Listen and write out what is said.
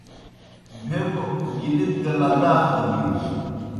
بھیپوْ گِلِت گہ لداخ دہ بِینوْ۔